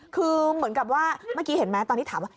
คือเหมือนกับว่าเมื่อกี้เห็นไหมตอนที่ถามว่า